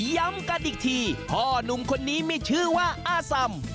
ย้ำกันอีกทีพ่อนุ่มคนนี้มีชื่อว่าอาสัม